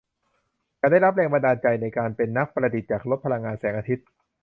ฉันได้รับแรงบันดาลใจในการเป็นนักประดิษฐ์จากรถพลังงานแสงอาทิตย์